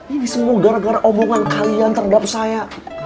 ini semua gara gara omongan kalian terhadap saya